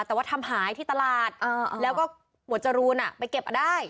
แต่ว่าทำหายที่ตลาดแล้วก็หมวดจรูนไปเก็บได้